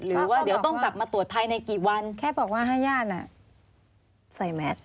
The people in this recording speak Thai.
หรือว่าเดี๋ยวต้องกลับมาตรวจไทยในกี่วันบอกว่าใส่แมท